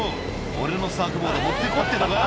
俺のサーフボード持ってこうってのか？」